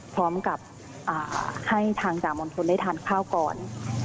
พร้อมกับให้ทางด่ามณฑลได้ทานข้าวก่อน